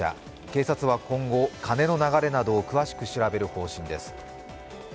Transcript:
警察は今後、金の流れなどを詳しく調べる方針です。